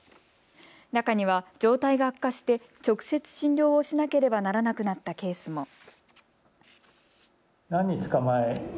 中には状態が悪化して直接診療をしなければならなくなったケースも。